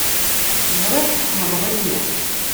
Ẓriɣ tḥemmleḍ-iyi.